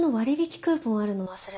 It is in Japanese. クーポンあるの忘れててさ。